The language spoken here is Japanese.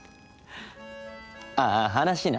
あぁ話な。